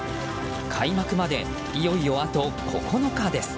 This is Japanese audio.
開幕までいよいよあと９日です。